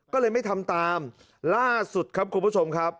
ก็เลยไม่ทำตามล่าสุดครับคุณผู้ชมครับ